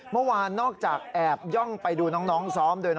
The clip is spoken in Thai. เมื่อวานนอกจากแอบย่องไปดูน้องซ้อมด้วยนะ